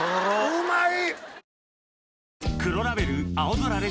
うまい‼